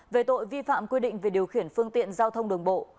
về tội vi phạm quy định về điều khiển phương tiện giao thông đường bộ